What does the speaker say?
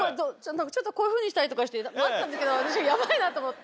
こういうふうにしたりとかして待ってたんですけどヤバいなと思って。